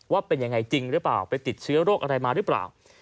ว่าเป็นยังไงจริงหรือเปล่าไปติดเชื้อโรคอะไรมาหรือเปล่า